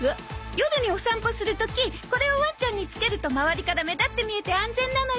夜にお散歩する時これをワンちゃんにつけると周りから目立って見えて安全なのよ